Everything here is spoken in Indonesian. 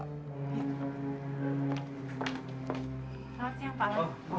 selamat siang pak alam